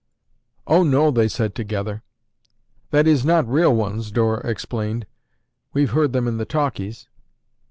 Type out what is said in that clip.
"Oh, no," they said together. "That is, not real ones," Dora explained. "We've heard them in the talkies."